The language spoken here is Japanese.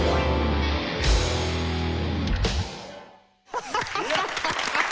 ハハハハハ。